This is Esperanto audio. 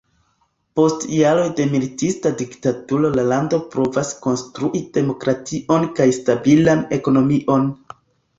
Post jaroj de militista diktaturo la lando provas konstrui demokration kaj stabilan ekonomion.